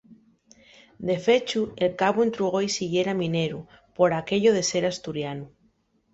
De fechu, el cabu entrugó-y si yera mineru, pol aquello de ser asturianu.